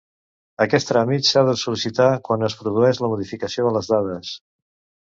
Aquest tràmit s'ha de sol·licitar quan es produeix la modificació de les dades.